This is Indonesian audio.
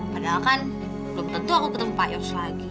padahal kan belum tentu aku ketemu pak yos lagi